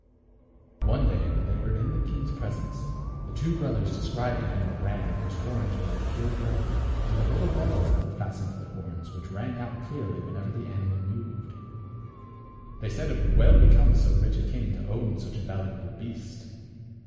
One day, when they were in the king's pres ence, the two brothers described to him the ram whose horns were of pure gold, and the little bells that were fastened to the horns, which rang out clearly whenever the animal moved. They said it would well become so rich a king to own such a valuable beast.